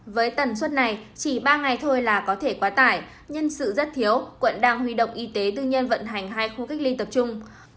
với tần suất này chỉ ba ngày thôi là có thể quá tải nhân sự rất thiếu quận đang huy động y tế tư nhân vận hành hai khu cách ly tập trung